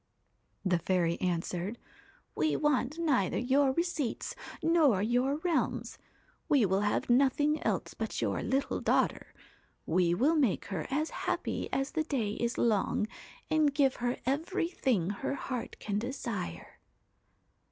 'The fairy answered: "We want neither your receipts nor your realms ; we will have nothing else but your little daughter. We will make her as happy as the day is long, and give her every thing her heart can desire."